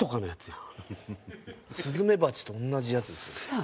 スズメバチと同じやつですよ。